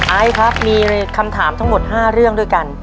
ไอซ์ครับมีคำถามทั้งหมด๕เรื่องด้วยกัน